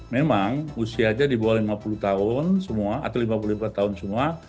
memang usianya di bawah lima puluh tahun semua atau lima puluh lima tahun semua